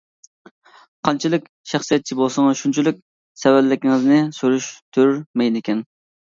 قانچىلىك شەخسىيەتچى بولسىڭىز شۇنچىلىك سەۋەنلىكىڭىزنى سۈرۈشتۈرمەيدىكەن.